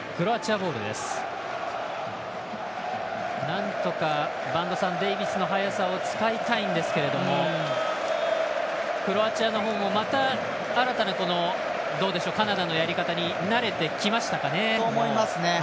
なんとか、デイビスの速さを使いたいんですけどもクロアチアのほうも新たなカナダのやり方に慣れてきましたかね。と思いますね。